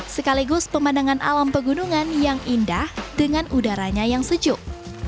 sekaligus pemandangan alam pegunungan yang indah dengan udaranya yang sejuk